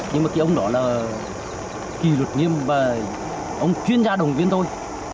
nhưng mà cái ông đó là kỳ luật nghiêm và ông chuyên gia đồng viên thôi